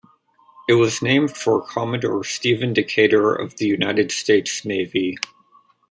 It was named for Commodore Stephen Decatur of the United States Navy.